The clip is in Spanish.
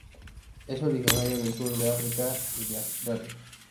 Es originario del sur de África y de Australia.